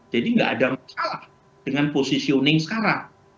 jadi tidak ada masalah dengan positioning sekarang